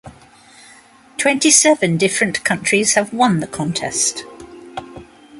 Twenty-seven different countries have won the contest.